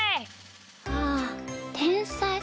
あてんさい！